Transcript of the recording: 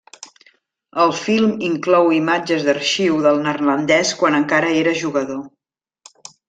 El film inclou imatges d'arxiu del neerlandès quan encara era jugador.